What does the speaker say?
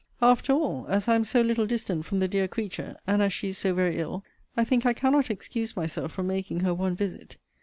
After all, as I am so little distant from the dear creature, and as she is so very ill, I think I cannot excuse myself from making her one visit.